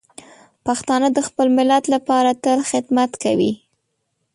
پښتانه د خپل ملت لپاره تل خدمت کوي.